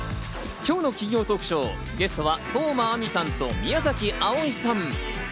今日の金曜トークショー、ゲストは當真あみさんと宮崎あおいさん。